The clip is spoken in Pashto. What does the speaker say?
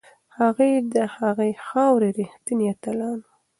هغوی د دې خاورې ریښتیني اتلان وو.